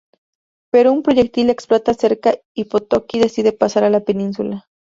Pero un proyectil explota cerca y Potocki decide pasar a la Península.